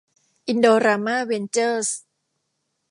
อินโดรามา เวนเจอร์ส